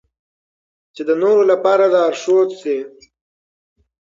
چې د نورو لپاره لارښود شي.